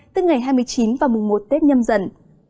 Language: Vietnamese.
từ ngày hai mươi chín và mùa một tết nhâm dần